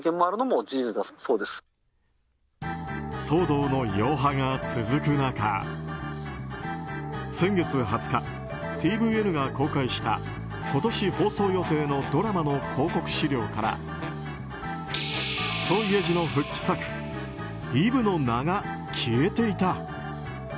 騒動の余波が続く中先月２０日、ｔｖＮが公開した今年放送予定のドラマの広告資料からソ・イェジの復帰作「イブ」の名が消えていた。